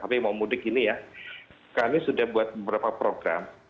tapi mau mudik ini ya kami sudah buat beberapa program